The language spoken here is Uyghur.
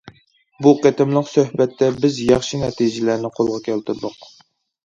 بۇ قېتىملىق سۆھبەتتە بىز ياخشى نەتىجىلەرنى قولغا كەلتۈردۇق.